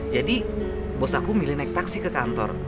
jadi bos aku milih naik taksi ke kantor